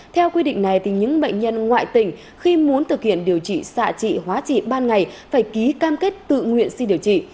theo quy định này những bệnh nhân ngoại tỉnh khi muốn thực hiện điều trị xạ trị hóa trị ban ngày phải ký cam kết tự nguyện xin điều trị